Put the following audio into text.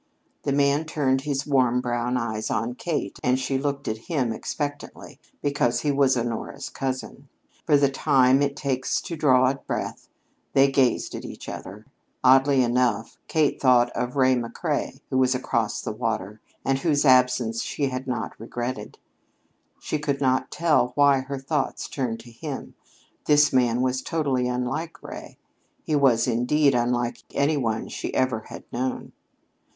The man turned his warm brown eyes on Kate and she looked at him expectantly, because he was Honora's cousin. For the time it takes to draw a breath, they gazed at each other. Oddly enough, Kate thought of Ray McCrea, who was across the water, and whose absence she had not regretted. She could not tell why her thoughts turned to him. This man was totally unlike Ray. He was, indeed, unlike any one she ever had known.